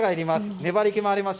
粘り気もありますし。